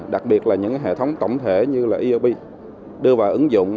đặc biệt là những hệ thống tổng thể như eop đưa vào ứng dụng